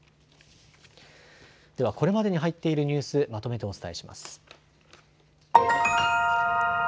では、これまでに入っているニュースをまとめてお伝えします。